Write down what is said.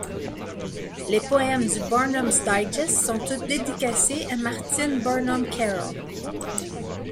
Les poèmes du Barnum's Digest sont tous dédicacés à Martine Barnum Carol.